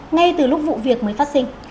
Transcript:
ngay từ lúc vụ việc mới phát sinh